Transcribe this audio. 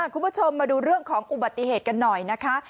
คุณผู้ชมมาดูเรื่องของอุบัติเหตุกันหน่อยนะคะ